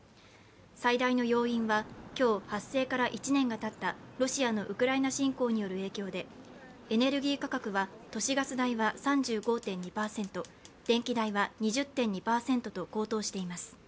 最大の要因は、今日、発生から１年がたったロシアのウクライナ侵攻による影響でエネルギー価格は都市ガス代は３５．２％電気代は２０．２％と高騰しています。